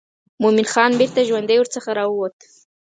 مومن خان بیرته ژوندی ورڅخه راووت.